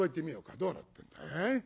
どうなってんだ？